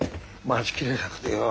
待ちきれなくてよ。